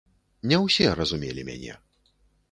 Не ўсе разумелі мяне.